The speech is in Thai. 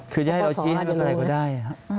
คือจะให้เราชี้ให้มันไปไหนก็ได้